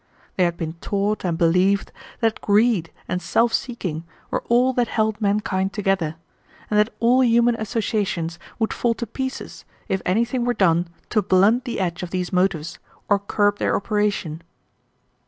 They had been taught and believed that greed and self seeking were all that held mankind together, and that all human associations would fall to pieces if anything were done to blunt the edge of these motives or curb their operation.